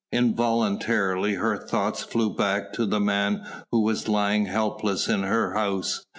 Involuntarily her thoughts flew back to the man who was lying helpless in her house.